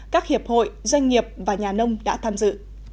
các hiệp hội doanh nghiệp và nhà nông đã tham dự